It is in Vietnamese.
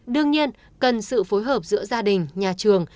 đương nhiên cần sự phối hợp giữa gia đình nhà trường